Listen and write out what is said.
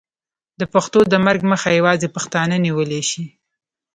د پښتو د مرګ مخه یوازې پښتانه نیولی شي.